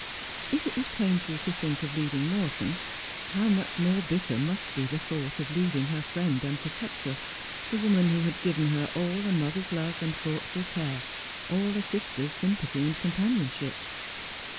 If it was painful to think of leaving Morton, how much more bitter must be the thought of leaving her friend and protectress, the woman who had given her all a mother's love and thoughtful care, all a sister's sympathy and companionship.